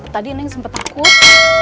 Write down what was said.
tadi neng sempet takut